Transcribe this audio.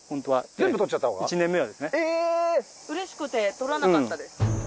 うれしくて取らなかったです。